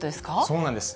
そうなんです。